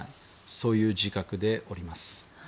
そういう自覚でおります。